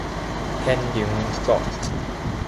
天龍國